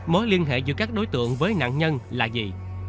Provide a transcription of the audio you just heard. mối liên hệ giữa các đối tượng với nạn nhân là gì